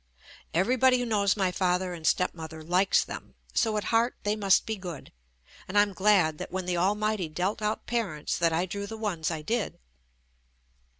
Everybody who knows my father and stepmother likes them, so at heart they must be good, and I'm glad that when the Almighty dealt out parents that I drew the ones I did.